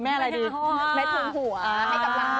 แม็กท์ภูมิหัวให้กำลังทุกคน